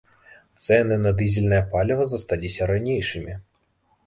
Цэны на дызельнае паліва засталіся ранейшымі.